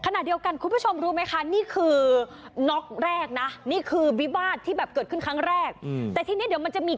นี่คือนอกแรกนะนี่คือวิวาดที่แบบเกิดขึ้นครั้งแต่ทีนี้เดี๋ยวมันจะมี